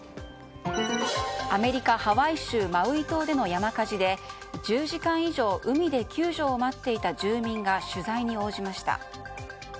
アメリカ・ハワイ州マウイ島での山火事で１０時間以上、海で救助を待っていた住民が取材に応じました。